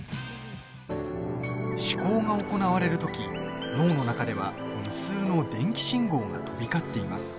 思考が行われるとき脳の中では、無数の電気信号が飛び交っています。